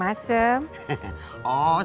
me nunggu mah sataharius